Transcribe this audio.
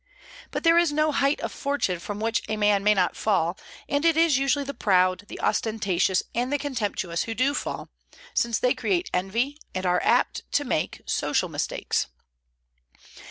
But there is no' height of fortune from which a man may not fall; and it is usually the proud, the ostentatious, and the contemptuous who do fall, since they create envy, and are apt to make social mistakes.